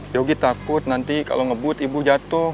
yogi takut nanti kalau ngebut ibu jatuh